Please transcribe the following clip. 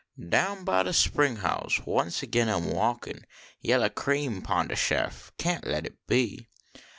Down by de spring house once agin I m walkin ; Vellah cream pon de shef, kaint let it be.